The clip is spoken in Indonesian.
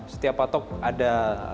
setiap patok ada